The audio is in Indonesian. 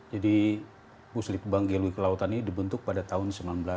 jadi puslitbang geologi kelautan ini dibentuk pada tahun seribu sembilan ratus delapan puluh empat